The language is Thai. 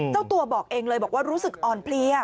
เจ้าตัวบอกเองเลยบอกว่ารู้สึกอ่อนเพลีย